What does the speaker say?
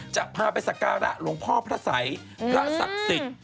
จะพาไปสักการะหลวงพ่อพระสัยพระศักดิ์สิทธิ์